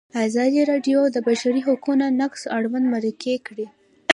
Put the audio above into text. ازادي راډیو د د بشري حقونو نقض اړوند مرکې کړي.